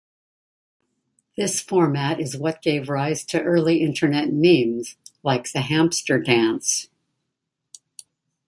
This format is what gave rise to early internet memes, like the Hampster Dance.